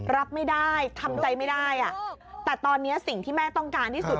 รับไม่ได้ทำใจไม่ได้แต่ตอนนี้สิ่งที่แม่ต้องการที่สุด